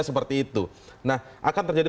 seperti itu nah akan terjadi